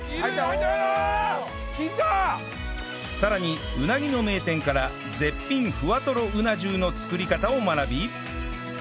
さらにうなぎの名店から絶品ふわとろうな重の作り方を学び